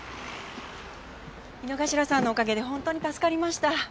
井之頭さんのおかげで本当に助かりました。